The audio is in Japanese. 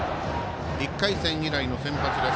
１回戦以来の先発です。